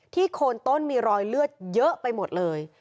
โคนต้นมีรอยเลือดเยอะไปหมดเลย